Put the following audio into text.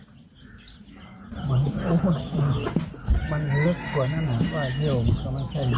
มันมีละกว่านั่นหลอกว่บ้านเที่ยวของมันแค่เยี่ยว